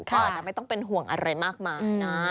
ก็อาจจะไม่ต้องเป็นห่วงอะไรมากมายนะ